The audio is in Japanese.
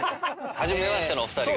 初めましてのお二人が。